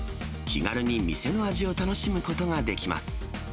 気軽に店の味を楽しむことができます。